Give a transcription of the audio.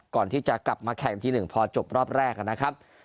ก่อนที่จะกลับมาแข่งที่๑พอจบรอบแรกนะครับ